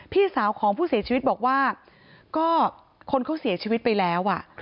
พี่สาวของผู้เสียชีวิตบอกว่าก็คนเขาเสียชีวิตไปแล้ว